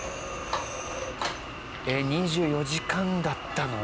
２４時間だったの？